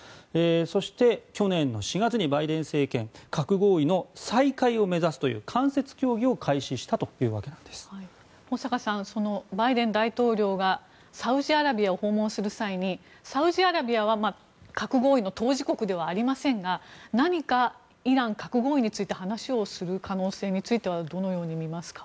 そして、去年の４月にバイデン政権核合意の再開を目指す関節協議を保坂さんバイデン大統領がサウジアラビアを訪問する際にサウジアラビアは核合意の当事国ではありませんが何か、イラン核合意について話をする可能性はどのように見ますか？